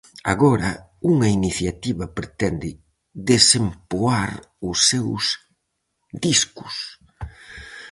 Agora, unha iniciativa pretende desempoar os seus discos.